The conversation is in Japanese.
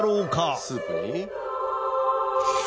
スープに？